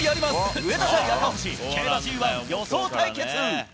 上田対赤星、競馬Ｇ１予想対決。